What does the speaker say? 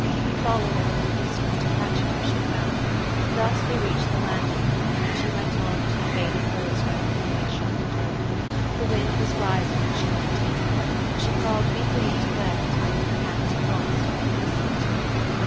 He followed at a little distance to catch her, if she fell. Thus they reached the landing ; and she went THE STORY OF AVIS. 341 on into the faded rose red room, and shut the door. The wind was rising as she went in. She crawled weakly into bed, and lay with her hands crossed, lis tening to it.